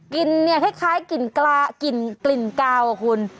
กลิ่นเนี่ยคล้ายกลิ่นกลากลิ่นกลิ่นกาวอ่ะคุณ